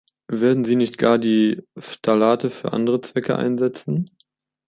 Werden sie nicht gar die Phthalate für andere Zwecke einsetzen?